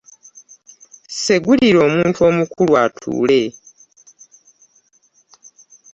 Segulira omuntu omukulu atuule.